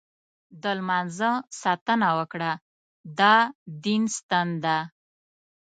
د لمانځه ساتنه وکړه، دا دین ستن ده.